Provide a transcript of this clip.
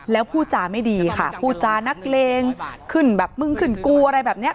แล้วพูดจาไม่ดีค่ะพูดจานักเลงขึ้นแบบมึงขึ้นกูอะไรแบบนี้